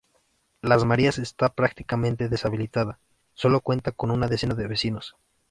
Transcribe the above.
Las Marías está prácticamente deshabitada, sólo cuenta con una decena de vecinos.